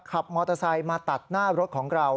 ขับมอเตอร์ไซค์มาตัดหน้ารถของเรา